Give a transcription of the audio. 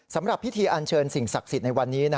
สำหรับพิธีอันเชิญสิ่งศักดิ์สิทธิ์ในวันนี้